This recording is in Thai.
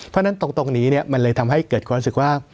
เพราะฉะนั้นตรงนี้มันเลยทำให้เกิดความรู้สึกว่า